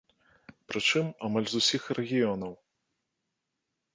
Прычым, амаль з усіх рэгіёнаў.